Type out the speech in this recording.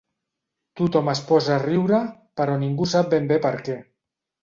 Tothom es posa a riure, però ningú sap ben bé per què.